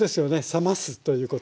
冷ますということ。